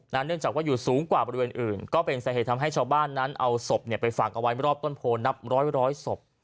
เนื่องจากว่าอยู่สูงกว่าบริเวณอื่นก็เป็นสาเหตุทำให้ชาวบ้านนั้นเอาศพไปฝังเอาไว้รอบต้นโพนับร้อยศพ